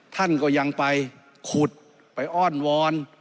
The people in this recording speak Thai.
ท่านก็ยังไปขุดไปอ้อนวอน